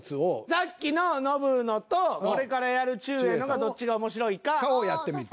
さっきのノブのとこれからやるちゅうえいのがどっちが面白いか。をやってみる。